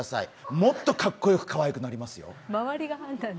もっとかっこよく、かわいくなりますよ。